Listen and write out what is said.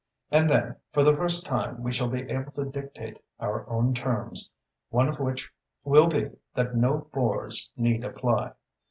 And then, for the first time we shall be able to dictate our own terms, one of which will be that no bores need apply.